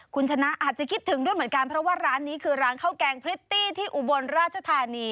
คุณชนะอาจจะคิดถึงด้วยเหมือนกันเพราะว่าร้านนี้คือร้านข้าวแกงพริตตี้ที่อุบลราชธานี